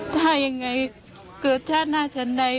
ถ้ายังไงเกิดชาติหน้าชั้นใด